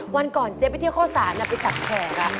วันก่อนเจ๊ไปเที่ยวเข้าศาลไปจับแผงล่ะ